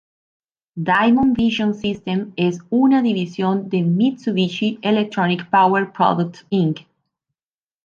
Diamond Vision Systems es una división de Mitsubishi Electric Power Products, Inc.